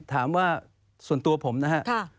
ถามว่าส่วนตัวผมนะฮะ